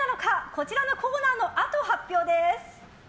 こちらのコーナーのあと発表です。